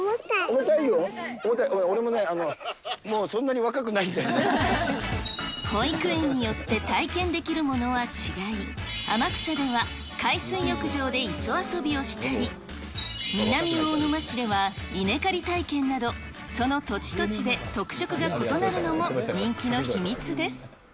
重たいよ、俺もね、保育園によって体験できるものは違い、天草では海水浴場で磯遊びをしたり、南魚沼市では稲刈り体験など、その土地土地で特色が異なるのも人気の秘密です。